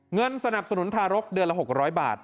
เงินสนับสนุนทารกเดือนละ๖๐๐บาท